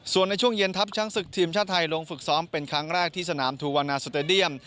ส่วนในช่วงเย็นทัพช้างศึกทีมชาติไทยลงฝึกซ้อมเป็นครั้งแรกที่สนามทูวานาสเตดียม